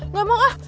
nggak mau ah